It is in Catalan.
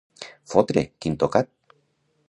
Fotre, quin tocat!